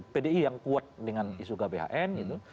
pdi yang kuat dengan isu gbhn gitu